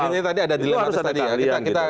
jadi ini tadi ada dilematin tadi ya